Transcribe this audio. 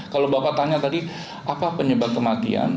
kalau bapak tanya tadi apa penyebab kematian